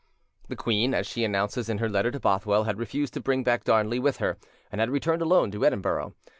The queen, as she announces in her letter to Bothwell, had refused to bring back Darnley with her, and had returned alone to Edinburgh.